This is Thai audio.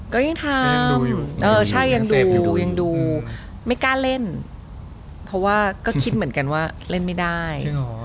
ก็ยังทำเออใช่ยังดูยังดูไม่กล้าเล่นเพราะว่าก็คิดเหมือนกันว่าเล่นไม่ได้